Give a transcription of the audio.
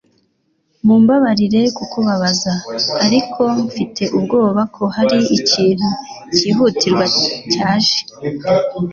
Mumbabarire kukubabaza, ariko mfite ubwoba ko hari ikintu cyihutirwa cyaje